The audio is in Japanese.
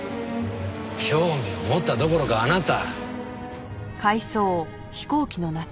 興味持ったどころかあなた。